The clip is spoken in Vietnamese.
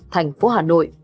thành phố hà nội